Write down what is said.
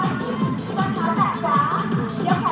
ตรงตรงตรงตรงตรงตรง